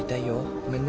ごめんね。